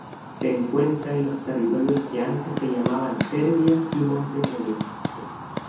Se encuentra en los territorios que antes se llamaban Serbia y Montenegro.